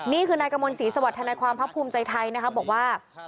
นี่คือนายกมลศรีสวรรคธนความภาคภูมิใจไทยบอกว่า